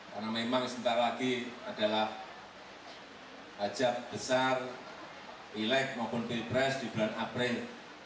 karena memang sebentar lagi adalah hajat besar elek maupun pilpres di bulan april